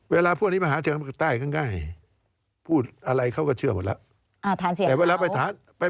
เวลาพวกนี้มาหาเทียมใต้ง่ายพูดอะไรเขาก็เชื่อหมดละ